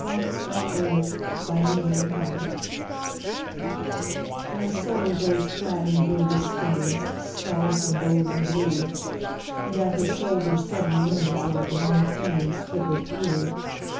Souls By Fannie Stearns Davis MY soul goes clad in gorgeous things, Scarlet and gold and blue. And at her shoulder sudden wingsLike long flames flicker through.